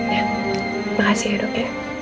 terima kasih ya dok ya